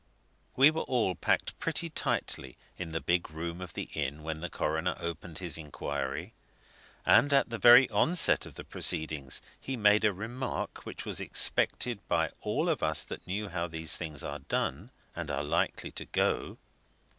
We were all packed pretty tightly in the big room of the inn when the coroner opened his inquiry. And at the very onset of the proceedings he made a remark which was expected by all of us that knew how these things are done and are likely to go.